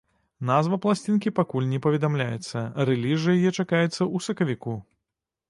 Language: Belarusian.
Назва пласцінкі пакуль не паведамляецца, рэліз жа яе чакаецца ў сакавіку.